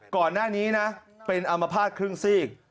ก่อนหน้านี้นะเป็นอามภาษณ์ครึ่งซีก